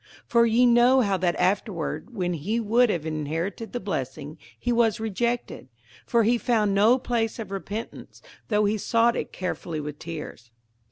58:012:017 For ye know how that afterward, when he would have inherited the blessing, he was rejected: for he found no place of repentance, though he sought it carefully with tears.